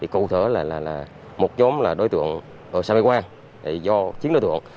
câu thở là một nhóm là đối tượng ở sà mê quang do chín đối tượng